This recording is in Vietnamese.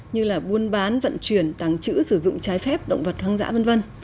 như là buôn bán vận chuyển tàng trữ sử dụng trái phép động vật hoang dã v v